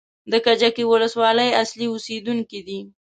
د کجکي ولسوالۍ اصلي اوسېدونکی دی.